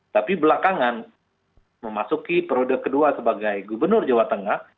tapi belakangan memasuki periode kedua sebagai gubernur jawa tengah